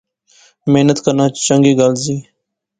محنت کرنا چنگی گل زی